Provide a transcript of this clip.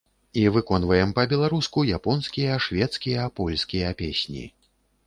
І выконваем па-беларуску японскія, шведскія, польскія песні.